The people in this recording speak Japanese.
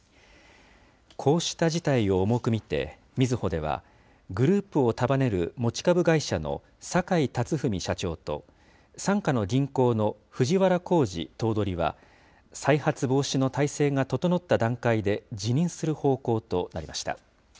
こうした事態を重く見て、みずほでは、グループを束ねる持ち株会社の坂井辰史社長と、傘下の銀行の藤原弘治頭取は再発防止の態勢が整った段階で辞任する方向となりました。